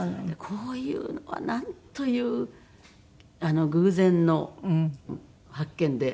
こういうのはなんという偶然の発見で。